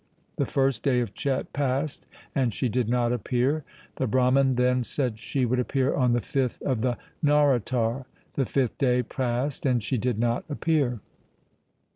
The first day of Chet passed, and she did not appear. The Brahman then said she would appear on the fifth of the Nauratar. The fifth day passed, and she did not appear.